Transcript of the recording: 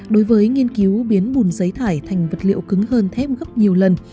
đối với nghiên cứu biến bùn giấy thải thành vật liệu cứng hơn thêm gấp nhiều lần